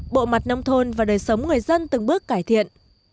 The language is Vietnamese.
bộ mặt nông thôn và đời sống người dân từng bước cải thiện